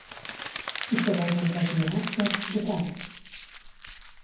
I sobre els empresonats què ha explicat?